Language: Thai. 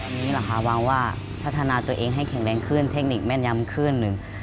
อันนี้เหรอคะวางว่าพัฒนาตัวเองให้แข็งแรงขึ้นเทคนิคแม่นยำขึ้นหนึ่ง